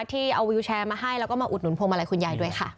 ที่เอาวิวแชร์มาให้แล้วก็มาอุดหนุนพวงมาลัยคุณยายด้วยค่ะ